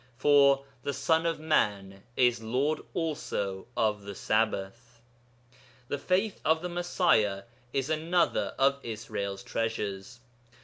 For 'the Son of Man is Lord also of the Sabbath.' The faith of the Messiah is another of Israel's treasures.